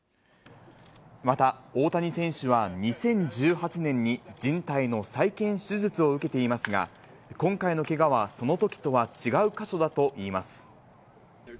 また、大谷選手は、２０１８年にじん帯の再建手術を受けていますが、今回のけがはそのときとは違う箇所だといいます。